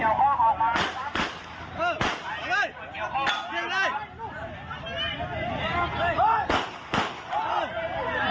เฮ้ย